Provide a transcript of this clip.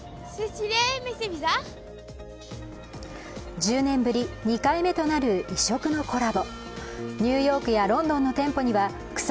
１０年ぶり２回目となる異色のコラボ。